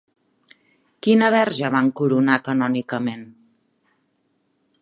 Quina verge van coronar canònicament?